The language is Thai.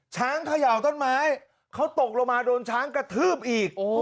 เขย่าต้นไม้เขาตกลงมาโดนช้างกระทืบอีก